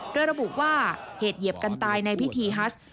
โดยระบุว่าเหตุเหยียบกันตายในพิธีฮัส